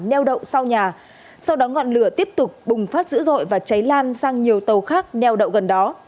neo đậu sau nhà sau đó ngọn lửa tiếp tục bùng phát dữ dội và cháy lan sang nhiều tàu khác neo đậu gần đó